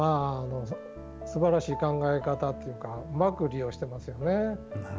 すばらしい考え方というかうまく利用してますよね。